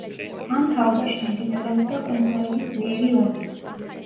ამ თაობაში მიმდინარეობდა კონსოლების ძლიერი „ომი“.